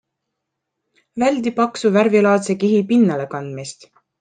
Väldi paksu värvilaadse kihi pinnalekandmist.